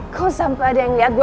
kalo sampai ada yang liat gue